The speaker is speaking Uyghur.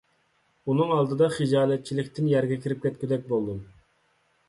ئۇنىڭ ئالدىدا خىجالەتچىلىكتىن يەرگە كىرىپ كەتكۈدەك بولدۇم.